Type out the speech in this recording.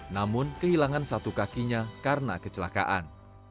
namun kehilangan satu kakinya karena kecelakaan